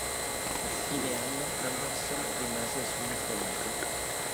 A fine anno Anderson rimase svincolato.